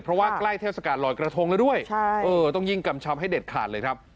เพราะว่าใกล้เทศกาลลอยกระทงแล้วด้วยต้องยิ่งกำชับให้เด็ดขาดเลยครับ